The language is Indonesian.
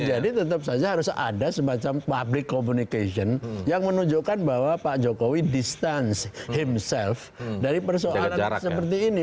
jadi tetap saja harus ada semacam public communication yang menunjukkan bahwa pak jokowi distance himself dari persoalan seperti ini